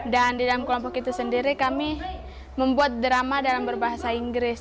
dan di dalam kelompok itu sendiri kami membuat drama dalam berbahasa inggris